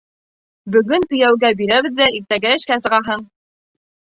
Бөгөн кейәүгә бирәбеҙ ҙә, иртәгә эшкә сығаһың!